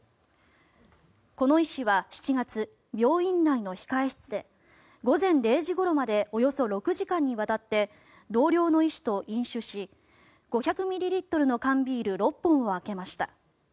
この医師は７月、病院内の控え室で午前０時ごろまでおよそ６時間にわたって同僚の医師と飲酒し５００ミリリットルの缶ビール６本を空けました。